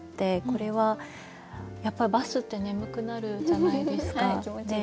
これはやっぱりバスって眠くなるじゃないですか。